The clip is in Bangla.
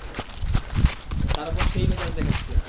তার ওপর সে-ই মেজাজ দেখাচ্ছে।